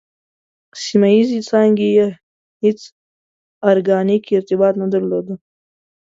سیمه ییزې څانګې یې هېڅ ارګانیک ارتباط نه درلود.